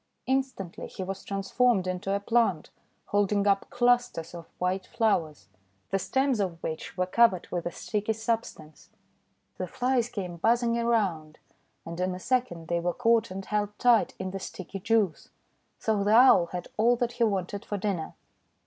Instantly he was transformed into a plant holding up clusters of white flowers, the stems of which were covered with a sticky substance. The Flies came buzzing around, and in a second they were caught and held tight in the sticky juice. So the Owl had all that he wanted for dinner.